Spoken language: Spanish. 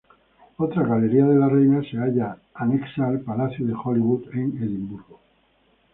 Otra "Galería de la Reina" se halla anexa al Palacio de Holyrood en Edimburgo.